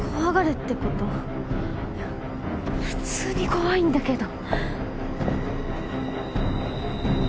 いや普通に怖いんだけど。